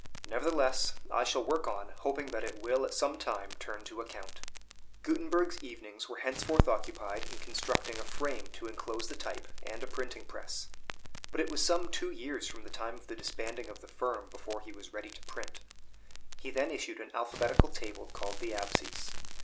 Nevertheless, I shall work on, hoping that it will at some time turn to account." Gutenberg's evenings were henceforth occupied in constructing a frame to inclose the type, and a printing press; but it was some two years from the time of the disbanding of the firm before he was ready to print. He then issued an alphabetical table, called the "Absies."